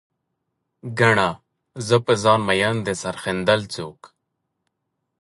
ګڼه، زه په ځان مين د سر ښندل څوک